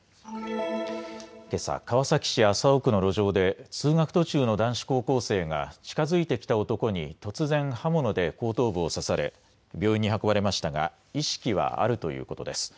けさ川崎市麻生区の路上で通学途中の男子高校生が近づいてきた男に突然、刃物で後頭部を刺され病院に運ばれましたが意識はあるということです。